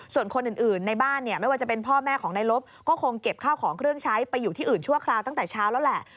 ส่วนคนอื่นในบ้านเนี่ยไม่ว่าจะเป็นพ่อแม่ของนายลบก็คงเก็บข้าวของเครื่องใช้ไปอยู่ที่อื่นชั่วคราวตั้งแต่เช้าแล้วแหละ